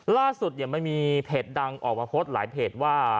ล่าสุดมันมีเพจดังออกมาโพสต์หลายเพจว่า